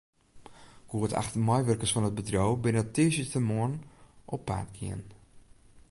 Goed acht meiwurkers fan it bedriuw binne tiisdeitemoarn op paad gien.